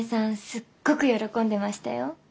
すっごく喜んでましたよ。